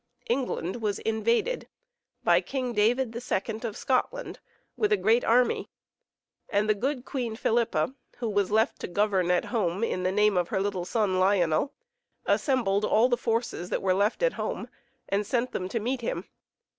England was invaded by King David II of Scotland, with a great army, arid the good Queen Philippa, who was left to govern at home in the name of her little son Lionel, assembled all the forces that were left at home, and sent them to meet him.